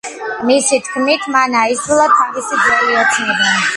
მისი თქმით, მან აისრულა თავისი ძველი ოცნება.